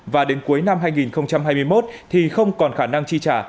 và đến cuối năm hai nghìn hai mươi một thì không còn khả năng chi trả